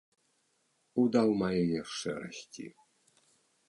Удаў мае яшчэ расці.